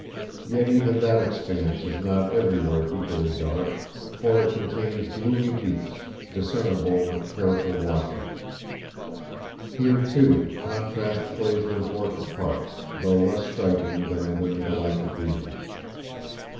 Yet even that expanse is not everywhere equally dark, for it contains gloomy deeps discernable with careful watching. Here, too, contrast plays an important part, though less striking than within the galactic region.